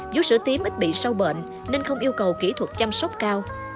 vú sữa tím ít bị sâu bệnh nên không yêu cầu kỹ thuật chăm sóc cao